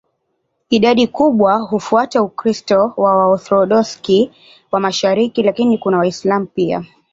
Idadi kubwa hufuata Ukristo wa Waorthodoksi wa mashariki, lakini kuna Waislamu pia.